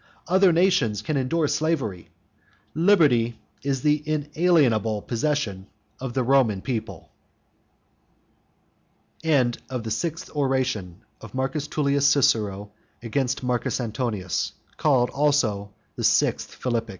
Other nations can endure slavery. Liberty is the inalienable possession of the Roman people. THE SEVENTH ORATION OF M. T. CICERO AGAINST MARCUS ANTONIUS CALLED ALSO THE SEVENTH PHILIPPIC.